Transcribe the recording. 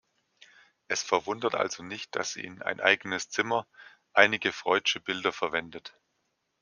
Es verwundert also nicht, dass sie in "Ein eigenes Zimmer" einige „freudsche“ Bilder verwendet.